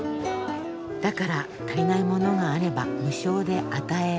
「だから足りないものがあれば無償で与え合う」か。